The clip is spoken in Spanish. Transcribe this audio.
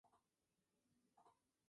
En ella creció hasta marcharse a Madrid.